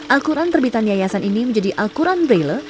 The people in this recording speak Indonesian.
al qur'an terbitan yayasan ini menjadi al qur'an braille